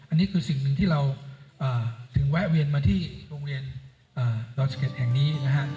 อันนี้คือสิ่งที่เราถึงแวะเวียนมาที่โรชเก็ตแห่งนี้